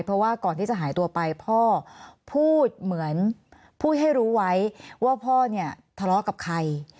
เพราะว่าก่อนที่จะหายตัวไปพ่อพูดเหมือนพูดให้รู้ไว้ว่าพ่อเนี่ยทะเลาะกับใคร